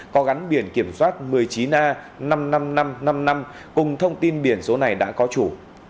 có gắn biển kiểm soát một mươi chín a năm mươi năm nghìn năm trăm năm mươi năm cùng thông tin biển số này đã có chủ